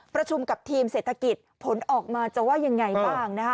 ประชุมกับทีมเศรษฐกิจผลออกมาจะว่ายังไงบ้างนะคะ